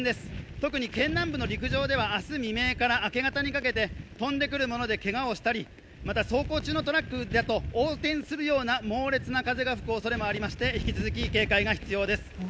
特に県南部の陸上では明日未明から明け方にかけて飛んでくるものでけがをしたり、走行中のトラックだと横転するような猛烈な風が吹くおそれもありまして引き続き警戒が必要です。